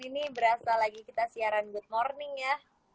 ini berasa lagi kita siaran good morning ya